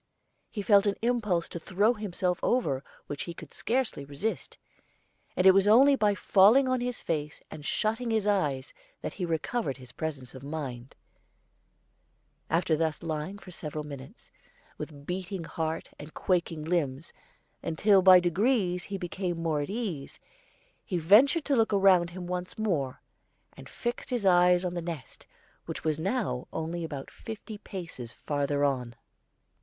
He felt an impulse to throw himself over, which he could scarcely resist; and it was only by falling on his face and shutting his eyes that he recovered his presence of mind. After thus lying for several minutes, with beating heart and quaking limbs, until by degrees he became more at ease, he ventured to look around him once more, and fixed his eyes on the nest, which was now only about fifty paces farther on.